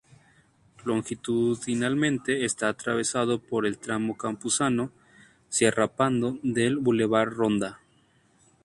Longitudinalmente está atravesado por el tramo Campuzano-Sierrapando del Boulevard Ronda.